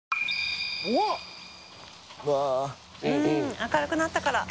明るくなったから。